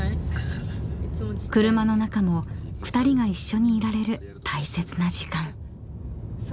［車の中も２人が一緒にいられる大切な時間］